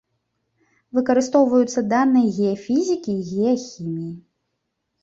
Выкарыстоўваюцца даныя геафізікі і геахіміі.